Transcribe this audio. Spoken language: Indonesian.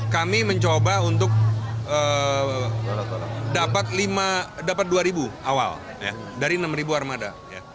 kami mencoba untuk dapat dua awal dari enam armada